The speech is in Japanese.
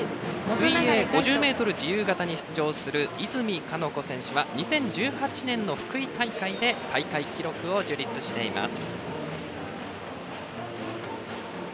水泳５０ｍ自由形に出場する和泉かのこ選手は２０１８年の福井大会で大会記録を樹立しています。